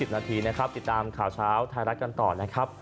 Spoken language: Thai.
นาทีนะครับติดตามข่าวเช้าไทยรัฐกันต่อนะครับ